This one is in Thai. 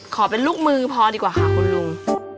ขอเป็นลูกมือพอดีกว่าค่ะคุณลุง